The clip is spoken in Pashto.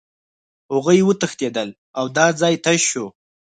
هغوی وتښتېدل او دا ځای تش شو